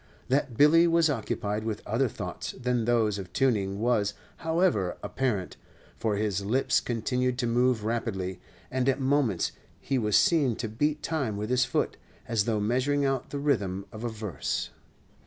That Billy was occupied with other thoughts than those of tuning was, however, apparent, for his lips continued to move rapidly; and at moments he was seen to beat time with his foot, as though measuring out the rhythm of a verse.